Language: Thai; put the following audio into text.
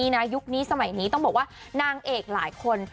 ยุคนี้สมัยนี้ต้องบอกว่านางเอกหลายคน